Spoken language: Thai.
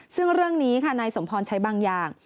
ซึ่งเรื่องนี้ค่ะนายสมพรใช้บางอย่าง